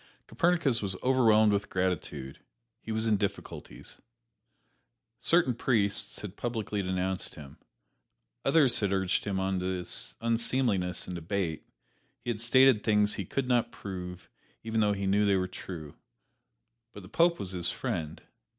Copernicus was overwhelmed with gratitude he was in difficulties. Certain priests had publicly denounced him; others had urged him on to unseemliness in debate; he had stated things he could not prove, even though he knew they were true but the Pope was his friend!